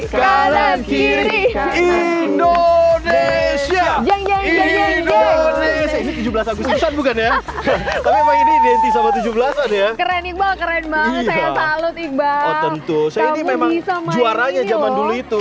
kanan kiri indonesia indonesia indonesia bukan ya keren keren banget tentu juaranya zaman dulu itu